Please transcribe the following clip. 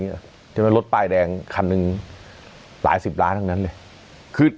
ลดไปรายแดงคันหนึ่งหลายสิบล้านบาทดังนั้นเลย